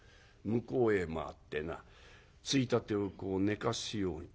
向こうへ回ってな衝立をこう寝かすように。